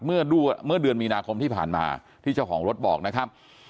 เมื่อเดือนมีนาคมที่ผ่านมาที่เจ้าของรถบอกนะครับ